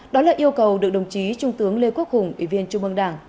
đó là yêu cầu được đồng chí trung tướng lê quốc hùng ủy viên trung ương đảng